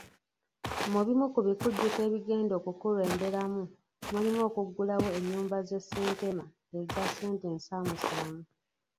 Mu bimu ku bikujjuko ebigenda okukulemberamu, mulimu okuggulawo ennyumba z’e Ssentema eza ssente ensaamusaamu.